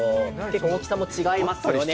大きさも違いますけどね。